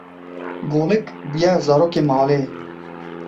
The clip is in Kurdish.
Golik bûye zarokê malê.